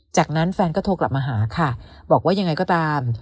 จากนั้นแฟนก็โทรกลับมาหาค่ะบอกว่ายังไงก็ตาม